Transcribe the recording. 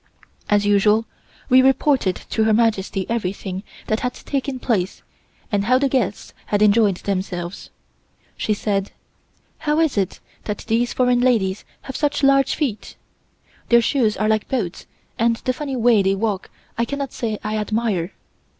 As usual, we reported to Her Majesty everything that had taken place and how the guests had enjoyed themselves. She said: "How is it that these foreign ladies have such large feet? Their shoes are like boats and the funny way they walk I cannot say I admire.